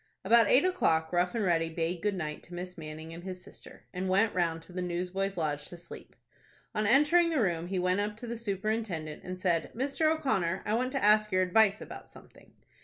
About eight o'clock Rough and Ready bade goodnight to Miss Manning and his sister, and went round to the Newsboys' Lodge to sleep. On entering the room he went up to the superintendent, and said, "Mr. O'Connor, I want to ask your advice about something."